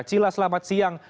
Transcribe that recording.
priscila selamat siang